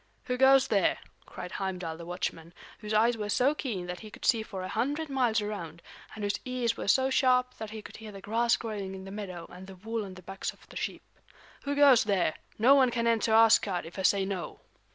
"Who goes there!" cried Heimdal the watchman, whose eyes were so keen that he could see for a hundred miles around, and whose ears were so sharp that he could hear the grass growing in the meadow and the wool on the backs of the sheep. "Who goes there! No one can enter Asgard if I say no."